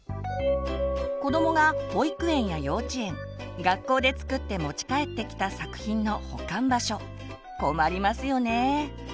子どもが保育園や幼稚園学校で作って持ち帰ってきた作品の保管場所困りますよねぇ。